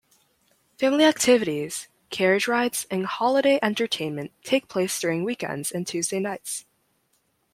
Family activities, carriage rides and holiday entertainment take place during weekends and Tuesday nights.